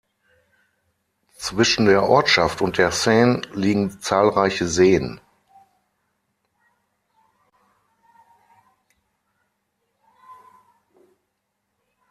Zwischen der Ortschaft und der Seine liegen zahlreiche Seen.